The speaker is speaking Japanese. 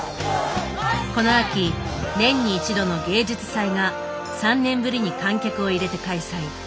この秋年に一度の「芸術祭」が３年ぶりに観客を入れて開催。